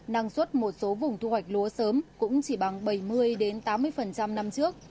năng suất một số vùng thu hoạch lúa sớm cũng chỉ bằng bảy mươi tám mươi năm trước